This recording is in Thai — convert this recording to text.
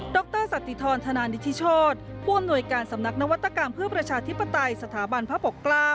รสัตติธรธนานิทิโชธผู้อำนวยการสำนักนวัตกรรมเพื่อประชาธิปไตยสถาบันพระปกเกล้า